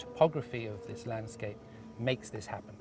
tempat tempat yang terbaik di sana